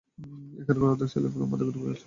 এখানকার অর্ধেক ছেলেপেলে মাদকে ডুবে আছে।